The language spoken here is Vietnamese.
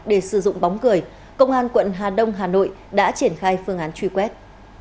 để sử dụng bóng cười công an quận hà đông hà nội đã triển khai phương án truy quét